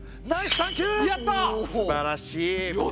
すばらしい。